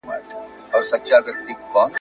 نه دوستان سته چي یې ورکړي یو جواب د اسوېلیو ..